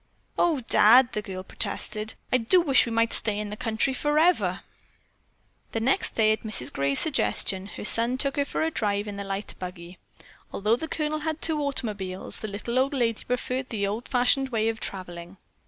"Oh, Dad!" the girl protested, "I do wish we might stay in the country forever." The next day, at Mrs. Gray's suggestion, her son took her for a drive in the light buggy. Although the Colonel had two automobiles, the little old lady preferred the old fashioned way of traveling.